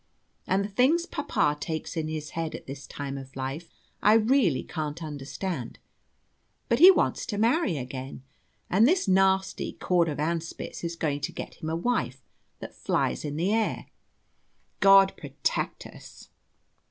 And the things papa takes in his head at his time of life I really can't understand; but he wants to marry again, and this nasty Cordovanspitz is going to get him a wife that flies in the air. God protect us!